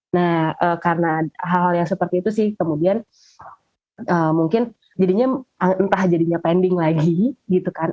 nah karena hal hal yang seperti itu sih kemudian mungkin jadinya entah jadinya pending lagi gitu kan